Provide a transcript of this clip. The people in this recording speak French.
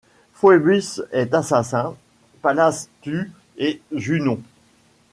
Phoebus est assassin ; Pallas tue ; et Junon